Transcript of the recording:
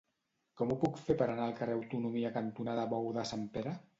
Com ho puc fer per anar al carrer Autonomia cantonada Bou de Sant Pere?